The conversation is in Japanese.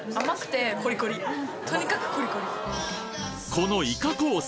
このいかコース